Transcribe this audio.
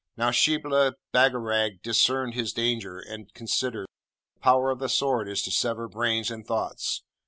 Now, Shibli Bagarag discerned his danger, and considered, 'The power of the Sword is to sever brains and thoughts.